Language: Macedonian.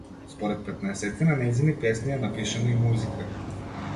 Според петнаесетина нејзини песни е напишана и музика.